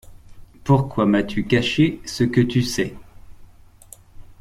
Pourquoi m’as-tu caché ce que tu sais?